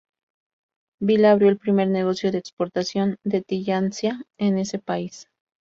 Bill abrió el primer negocio de exportación de "Tillandsia" en ese país.